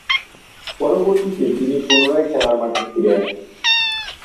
পরবর্তীতে তিনি পুনরায় খেলার মাঠে ফিরে আসেন।